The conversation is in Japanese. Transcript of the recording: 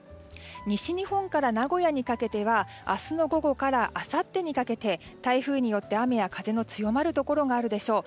西日本から名古屋にかけては明日の午後からあさってにかけて台風によって雨や風が強まるところもあるでしょう。